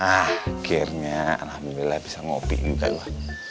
akhirnya alhamdulillah bisa ngopi juga ya